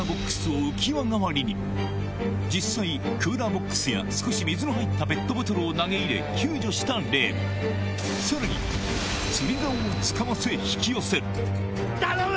実際クーラーボックスや少し水の入ったペットボトルを投げ入れ救助した例もさらに頼む！